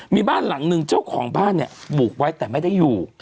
มีบ้านหลังนึงเจ้าของบ้านเนี่ยบุกไว้แต่ไม่ได้อยู่